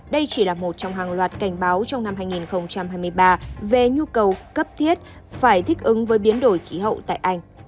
đây chỉ là một trong hàng loạt cảnh báo trong năm hai nghìn hai mươi ba về nhu cầu cấp thiết phải thích ứng với biến đổi khí hậu tại anh